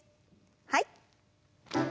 はい。